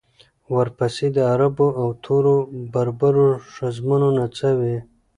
ورپسې د عربو او تورو بربرو ښځمنو نڅاوې.